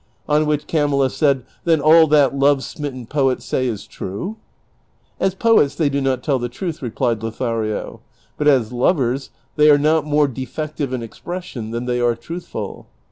On which Camilla said, " Then all that love smitten poets say is true ?" "As poets they do not tell the truth," replied Lothario; "but as lovers they are not more defective in expression than they aiu truthful."